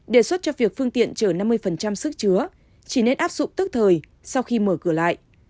đề xuất cho việc phương tiện chở năm mươi sức chứa chỉ nên áp dụng tức thời sau khi mở cửa lại